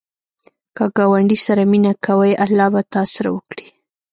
که ګاونډي سره مینه کوې، الله به تا سره وکړي